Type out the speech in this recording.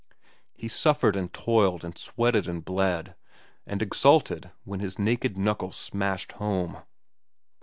He suffered and toiled and sweated and bled, and exulted when his naked knuckles smashed home.